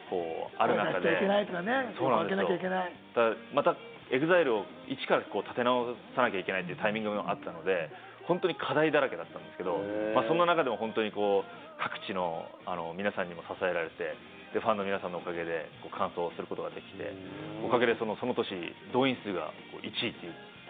コロナ禍もあって、ファンの皆さんの制限もある中で、またＥＸＩＬＥを１から立て直さなきゃいけないタイミングもあったので、本当に課題だらけだったんですけれども、そんな中でも各地の皆さんに支えられて、ファンの皆さんのおかげで完走することができて、おかげでその年、動員数が１位。